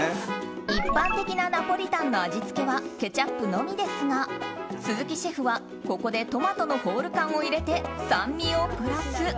一般的なナポリタンの味付けはケチャップのみですが鈴木シェフは、ここでトマトのホール缶を入れて酸味をプラス。